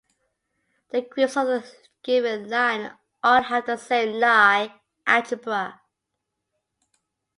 The groups on a given line all have the same Lie algebra.